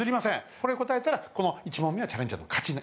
これ答えたらこの１問目はチャレンジャーの勝ちね。